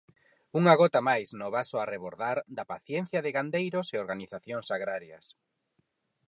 Unha gota máis no vaso a rebordar da paciencia de gandeiros e organizacións agrarias.